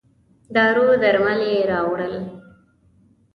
دارو درمل یې راووړل.